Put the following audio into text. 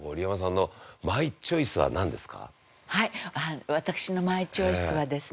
私のマイチョイスはですね